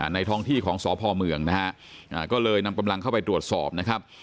ท้องที่ของสพเมืองนะฮะก็เลยนำกำลังเข้าไปตรวจสอบนะครับ